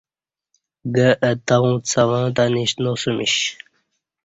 گہ اہ تہ اوں څں وہ تہ نیشنا سمیش